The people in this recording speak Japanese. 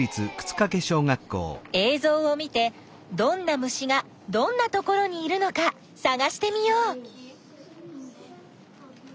えいぞうを見てどんな虫がどんなところにいるのかさがしてみよう。